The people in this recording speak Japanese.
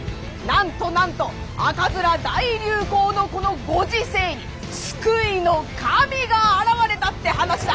なんとなんと赤面大流行のこのご時世に救いの神が現れたって話だ！